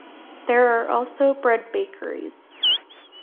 There are also bread bakeries.